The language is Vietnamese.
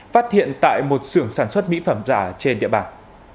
phát hiện tại một sưởng sản xuất mỹ phẩm giả trên địa bàn